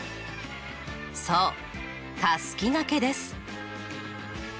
そうたすきがけです。